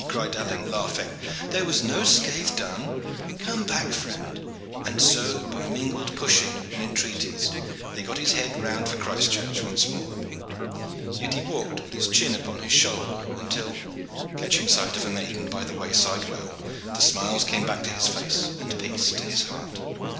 cried Alleyne, laughing. "There was no scath done. Come back, friend" and so, by mingled pushing and entreaties, they got his head round for Christchurch once more. Yet he walked with his chin upon his shoulder, until, catching sight of a maiden by a wayside well, the smiles came back to his face and peace to his heart.